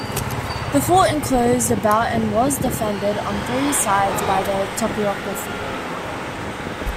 The fort enclosed about and was defended on three sides by the topography.